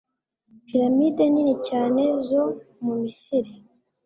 pyramide nini cyane zo mu misiri